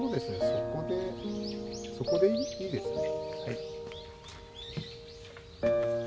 そこでそこでいいですね。